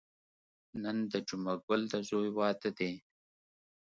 نن د جمعه ګل د ځوی واده دی.